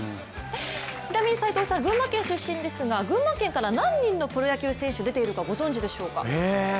ちなみに、斎藤さん、群馬県出身ですが群馬県から何人のプロ野球選手が出ているかご存じでしょうか。